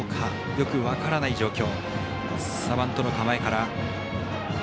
よく分からない状況。